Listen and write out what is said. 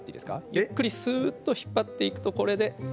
ゆっくりすっと引っ張っていくとこれで。